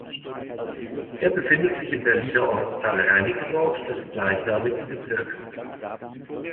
Er befindet sich im Berliner Ortsteil Reinickendorf des gleichnamigen Bezirks.